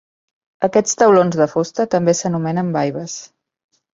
Aquests taulons de fusta també s'anomenen baibes.